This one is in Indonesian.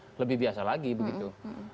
itu lebih biasa lagi begitu